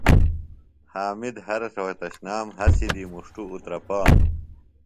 حامد ہر رھوتشنام ہسیۡ دی مُݜٹوۡ اُترپانوۡ۔